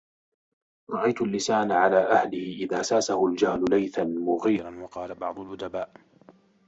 رَأَيْت اللِّسَانَ عَلَى أَهْلِهِ إذَا سَاسَهُ الْجَهْلُ لَيْثًا مُغِيرَا وَقَالَ بَعْضُ الْأُدَبَاءِ